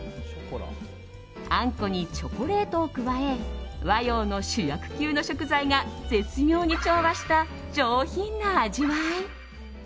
あんこにチョコレートを加え和洋の主役級の食材が絶妙に調和した、上品な味わい。